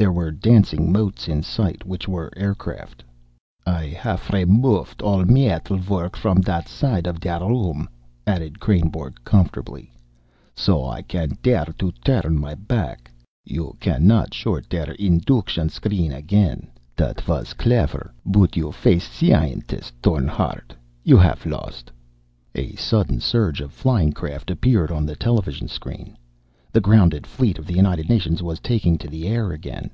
There were dancing motes in sight, which were aircraft. "I haff remofed all metal work from that side of der room," added Kreynborg comfortably, "so I can dare to turn my back. You cannot short der induction screen again. That was clefer. But you face a scientist, Thorn Hardt. You haff lost." A sudden surge of flying craft appeared on the television screen. The grounded fleet of the United Nations was taking to the air again.